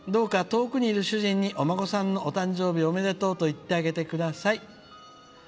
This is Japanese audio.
どうか、遠くにいる主人にお孫さんの誕生おめでとうと言ってあげてください」。